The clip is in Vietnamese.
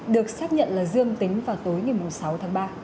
được xác nhận là dương tính vào tối ngày sáu tháng ba